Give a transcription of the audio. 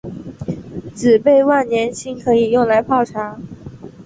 紫背万年青可以用来泡茶。